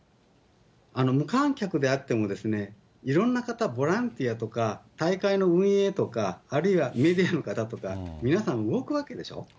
無観客であってもですね、いろんな方、ボランティアとか大会の運営とか、あるいはメディアの方とか、皆さん、動くわけでしょ？